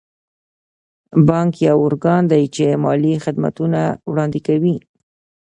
بانک یو ارګان دی چې مالي خدمتونه وړاندې کوي.